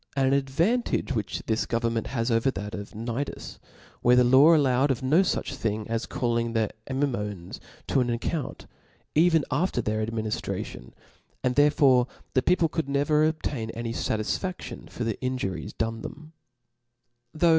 An ad* vantage which this government has over that of Cnidusj where the law allowed of no fuch thing as calling the Amymones * on an account, even after their adminiftration ^^; and therefore the people . could nev^r obtain iny fatisfadion for the injuries * done them.